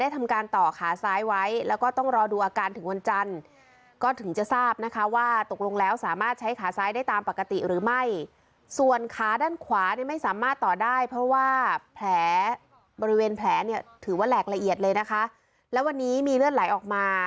ถือว่าแหลกละเอียดเลยนะคะแล้ววันนี้มีเลือดไหลออกมา